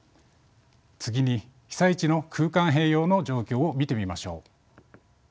次に被災地の空間変容の状況を見てみましょう。